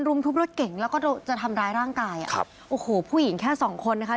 รุมทุบรถเก่งแล้วก็จะทำร้ายร่างกายอ่ะครับโอ้โหผู้หญิงแค่สองคนนะคะ